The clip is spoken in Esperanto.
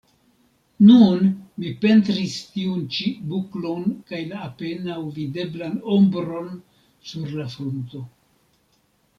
Nun mi pentris tiun ĉi buklon kaj la apenaŭ videblan ombron sur la frunto.